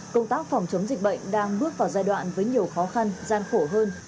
công tác phòng chống dịch bệnh đang bước vào giai đoạn với nhiều khó khăn gian khổ hơn